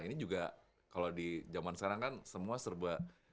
ini juga kalau di zaman sekarang kan semua serba